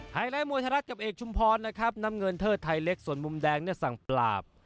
ไลท์มวยไทยรัฐกับเอกชุมพรนะครับน้ำเงินเทิดไทยเล็กส่วนมุมแดงเนี่ยสั่งปราบ